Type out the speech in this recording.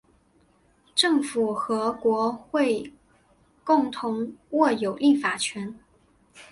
政府和国会共同握有立法权。